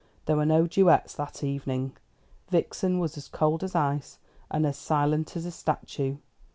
There were no duets that evening. Vixen was as cold as ice, and as silent as a statue.